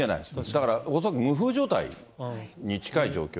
だから恐らく無風状態に近い状況